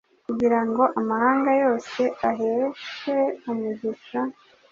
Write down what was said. kugira ngo amahanga yose aheshwe umugisha